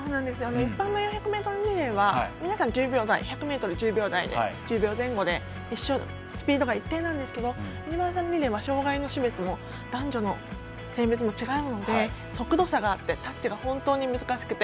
一般の４００ｍリレーは皆さん、１００ｍ１０秒前後でスピードが一定なんですけどユニバーサルリレーは障がいの種別も性別も違うので速度差があってタッチが本当に難しくて。